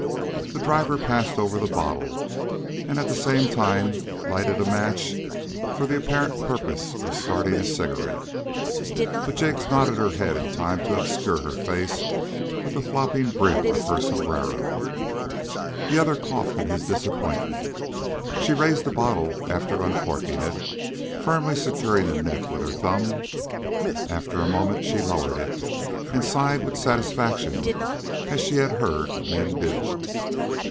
The driver passed over the bottle and at the same time lighted a match for the apparent purpose of starting his cigarette. But Jig nodded her head in time to obscure her face with the flopping brim of her sombrero. The other coughed his disappointment. She raised the bottle after uncorking it, firmly securing the neck with her thumb. After a moment she lowered it and sighed with satisfaction, as she had heard men do.